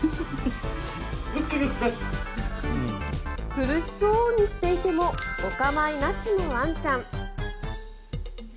苦しそうにしていてもお構いなしのワンちゃん。